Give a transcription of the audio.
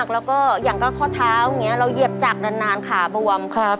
แล้วยังก็ข้อเท้าอย่างนี้ยิบจากดานนานขาอาวุธยัอะ